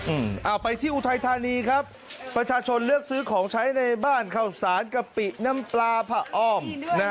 เอาไปที่อุทัยธานีครับประชาชนเลือกซื้อของใช้ในบ้านเข้าสารกะปิน้ำปลาผ้าอ้อมนะฮะ